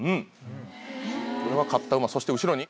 これは勝った馬そして後ろに。